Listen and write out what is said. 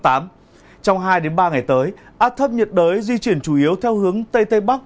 trong hai ba ngày tới áp thấp nhiệt đới di chuyển chủ yếu theo hướng tây tây bắc